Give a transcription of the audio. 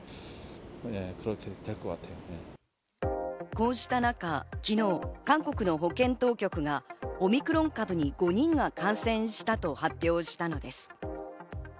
こうした中、昨日韓国の保健当局がオミクロン株に５人が感染したと発表したのです。